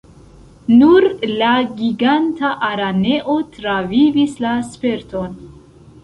Nur la Giganta Araneo travivis la sperton.